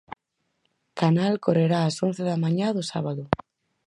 Canal correrá ás once da mañá do sábado.